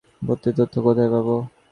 ভর্তির তথ্য কোথায় পাবো?